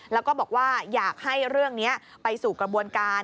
แล้วก็บอกว่าอยากให้เรื่องนี้ไปสู่กระบวนการ